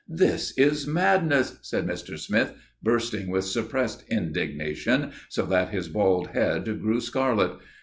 "This is madness!" said Mr. Smith, bursting with suppressed indignation, so that his bald head grew scarlet.